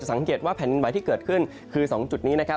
สังเกตว่าแผ่นดินไหวที่เกิดขึ้นคือ๒จุดนี้นะครับ